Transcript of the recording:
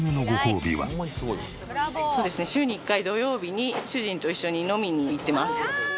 週に１回土曜日に主人と一緒に飲みに行ってます。